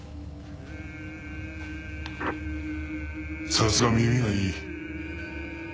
さすが耳がいい。